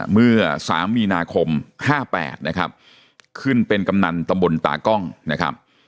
เมื่อ๓มีนาคม๕๘นะครับขึ้นเป็นกำนันตำบลตากล้องนะครับ